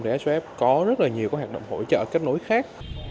sqf có rất nhiều hợp đồng hỗ trợ kết nối khác